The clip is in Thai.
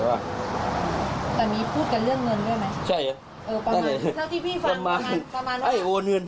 สักพักก็หายไปกันเรื่องเงินแล้วก็กลายเป็นว่ามีเหตุทำร้ายร่างกายกันอีกรอบหนึ่งค่ะ